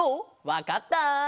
わかった？